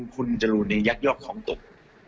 คุณจรูนยักยอกของตก